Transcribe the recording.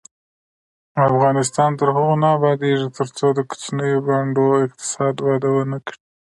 افغانستان تر هغو نه ابادیږي، ترڅو د کوچنیو بانډو اقتصاد وده ونه کړي.